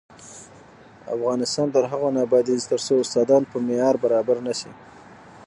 افغانستان تر هغو نه ابادیږي، ترڅو استادان په معیار برابر نشي.